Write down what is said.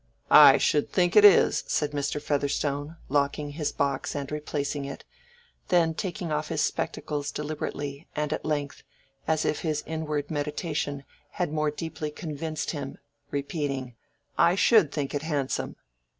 "I should think it is," said Mr. Featherstone, locking his box and replacing it, then taking off his spectacles deliberately, and at length, as if his inward meditation had more deeply convinced him, repeating, "I should think it handsome."